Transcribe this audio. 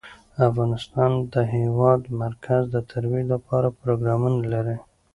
افغانستان د د هېواد مرکز د ترویج لپاره پروګرامونه لري.